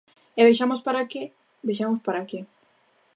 E vexamos para que, vexamos para que.